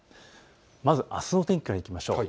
まずあすの天気からいきましょう。